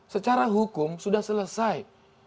secara hukum sudah selesai